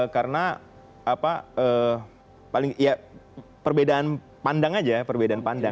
karena apa ya perbedaan pandang aja perbedaan pandang